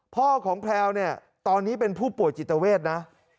พ่อของแพลวเนี่ยตอนนี้เป็นผู้ป่วยจิตเวทนะ